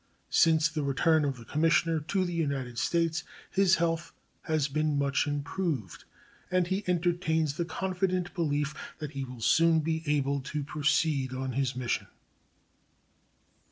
Since the return of the commissioner to the United States his health has been much improved, and he entertains the confident belief that he will soon be able to proceed on his mission.